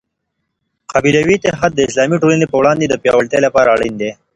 قبیلوي اتحاد د اسلامي ټولني په وړاندي د پياوړتیا لپاره اړین دی.